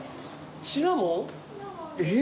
シナモン？え！